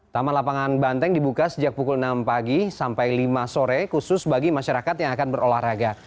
taman lapangan banteng dibuka sejak pukul enam pagi sampai lima sore khusus bagi masyarakat yang akan berolahraga